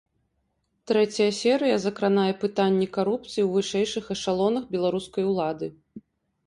Трэцяя серыя закранае пытанні карупцыі ў вышэйшых эшалонах беларускай улады.